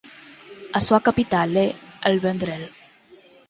A súa capital é El Vendrell.